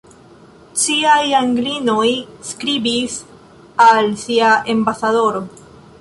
Ciaj Anglinoj skribis al sia ambasadoro.